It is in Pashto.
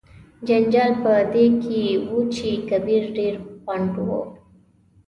جنجال په دې کې و چې کبیر ډیر پنډ و.